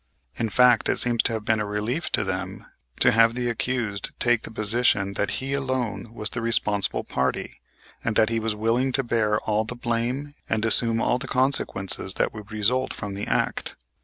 In fact, it seems to have been a relief to them to have the accused take the position that he alone was the responsible party and that he was willing to bear all the blame and assume all the consequences that would result from the act.